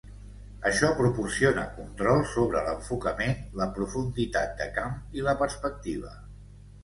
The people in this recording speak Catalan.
Això proporciona control sobre l'enfocament, la profunditat de camp i la perspectiva.